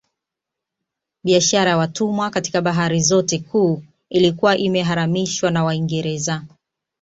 Biashara ya watumwa katika bahari zote kuu ilikuwa imeharamishwa na Waingereza